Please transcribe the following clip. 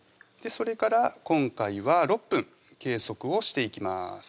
それから今回は６分計測をしていきます